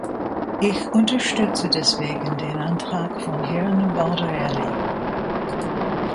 Ich unterstütze deswegen den Antrag von Herrn Baldarelli.